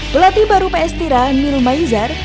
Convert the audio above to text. pelatih baru ps tira nil maizar